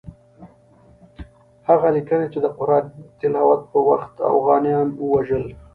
هغه لیکي چې د قرآن تلاوت په وخت اوغانیان ووژل.